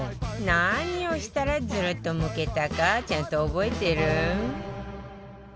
何をしたらズルッとむけたかちゃんと覚えてる？